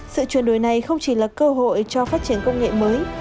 sự chuyển đổi này không chỉ là cơ hội cho phát triển công nghệ mới